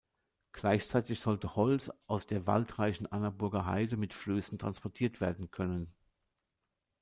Gleichzeitig sollte Holz aus der waldreichen Annaburger Heide mit Flößen transportiert werden können.